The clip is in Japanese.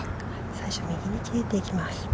◆最初右に切れていきます。